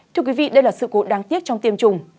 thưa quý vị đây là sự cố đáng tiếc trong tiêm chủng